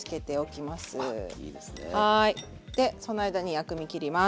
はいでその間に薬味切ります。